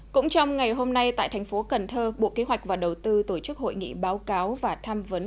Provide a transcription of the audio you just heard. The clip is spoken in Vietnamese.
cũng trong ngày hôm nay tại thành phố cần thơ bộ kế hoạch và đầu tư tổ chức hội nghị báo cáo và tham vấn